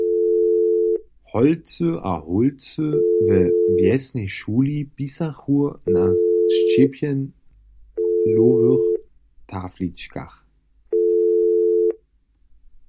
Holcy a hólcy we wjesnej šuli pisachu na šćěpjelowych tafličkach.